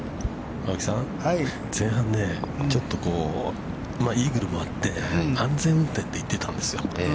◆前半、ちょっとイーグルもあって、安全運転で行ってたんですよ。